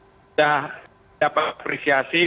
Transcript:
sudah dapat apresiasi